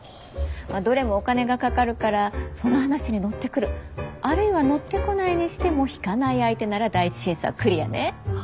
まあどれもお金がかかるからその話に乗ってくるあるいは乗ってこないにしても引かない相手なら第１審査はクリアね。